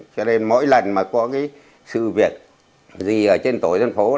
cho nên mỗi lần có sự việc gì trên tổ dân phố